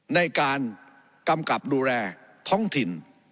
ในการกำกับดูแลท้องถิ่น